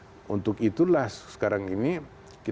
sebenarnya itu adalah salah satu hal yang terjadi